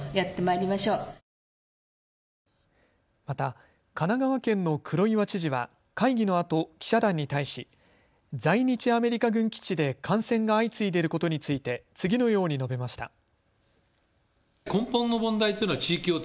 また、神奈川県の黒岩知事は会議のあと記者団に対し在日アメリカ軍基地で感染が相次いでいることについて次のように述べました。